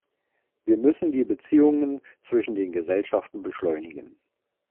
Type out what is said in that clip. Wir müssen die Beziehungen zwischen den Gesellschaften beschleunigen.